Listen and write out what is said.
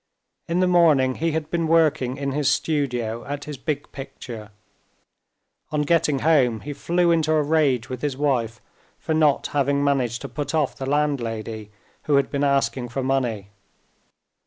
In the morning he had been working in his studio at his big picture. On getting home he flew into a rage with his wife for not having managed to put off the landlady, who had been asking for money.